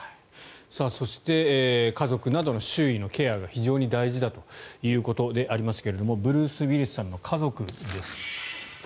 そして、家族などの周囲のケアが非常に大事だということでありますがブルース・ウィリスさんの家族です。